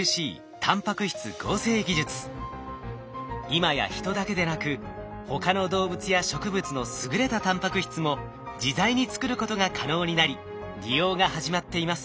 今や人だけでなく他の動物や植物の優れたタンパク質も自在に作ることが可能になり利用が始まっています。